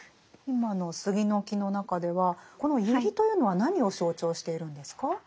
今の「杉の木」の中ではこの「百合」というのは何を象徴しているんですか？